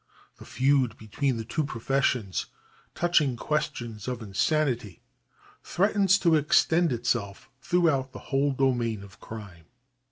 The feud between the two professions touching the question of insanity threatens to extend itself throughout the whole domain of crime.